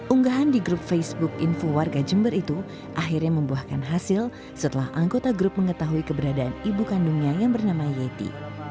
unggahan di grup facebook info warga jember itu akhirnya membuahkan hasil setelah anggota grup mengetahui keberadaan ibu kandungnya yang bernama yeti